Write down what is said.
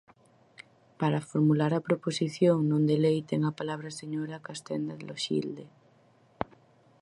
Para formular a proposición non de lei ten a palabra a señora Castenda Loxilde.